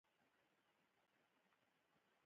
چې په کان کې وي دا یو مثال دی.